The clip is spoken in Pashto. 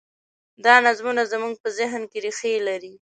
دا نظمونه زموږ په ذهن کې رېښې لري.